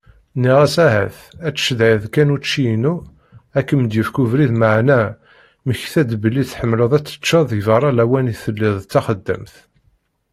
Nniɣ-as ahat ad tcedhiḍ kan učči-ynu akem-d-yefk ubrid maɛna mmektaɣ-d belli tḥemleḍ ad teččeḍ deg berra lawan i telliḍ d taxeddamt.